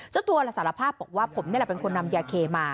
เจ้าตัวสารภาพบอกว่าผมนี่แหละเป็นคนนำยาเคมา